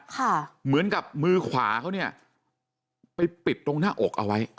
เหมือนกับมือขวาเขาเนี่ยไปปิดตรงหน้าอกเอาไว้